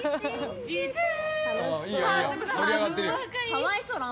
かわいそう！